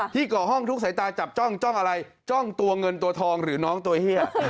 ก่อห้องทุกสายตาจับจ้องจ้องอะไรจ้องตัวเงินตัวทองหรือน้องตัวเฮีย